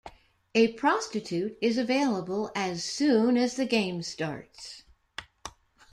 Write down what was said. A prostitute is available as soon as the game starts.